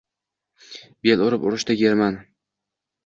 Bel berib urushda German